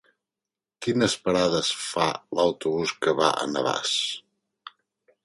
Quines parades fa l'autobús que va a Navàs?